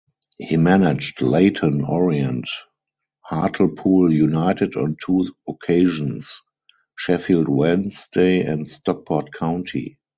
He managed Leyton Orient, Hartlepool United on two occasions, Sheffield Wednesday and Stockport County.